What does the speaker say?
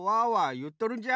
いっとるんじゃ。